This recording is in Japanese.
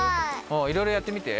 おいろいろやってみて。